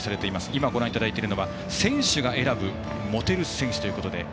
今、ご覧いただいているのは選手が選ぶモテる選手ということで。